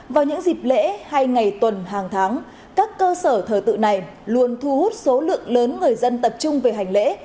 vào những dịp lễ hay ngày tuần hàng tháng các cơ sở thờ tự này luôn thu hút số lượng lớn người dân tập trung về hành lễ